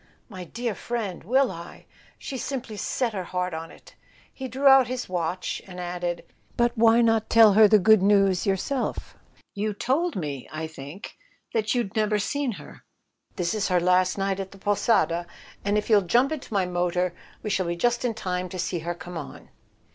"My dear friend—will I? She's simply set her heart on it!" He drew out his watch and added: "But why not tell her the good news yourself? You told me, I think, you'd never seen her? This is her last night at the 'Posada,' and if you'll jump into my motor we shall be just in time to see her come on."